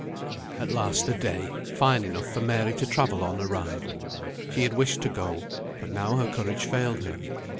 At last a day, fine enough for Mary to travel on, arrived. She had wished to go, but now her courage failed her.